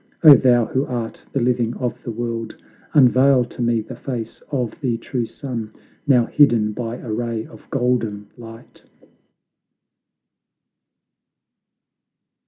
O thou who art the living of the world, Unveil to me the face of the true sun, Now hidden by a ray of golden light."